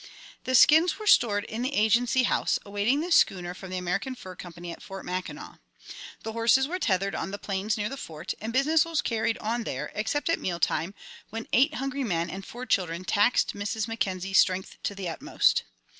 The skins were stored in the Agency House, awaiting the schooner from the American Fur Company at Fort Mackinac. The horses were tethered on the plains near the Fort, and business was carried on there, except at meal time, when eight hungry men and four children taxed Mrs. Mackenzie's strength to the utmost.